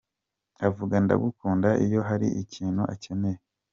Avuga ‘ndagukunda’ iyo hari ikintu akeneye.